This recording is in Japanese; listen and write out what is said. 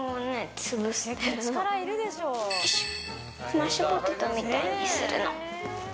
マッシュポテトみたいにするの。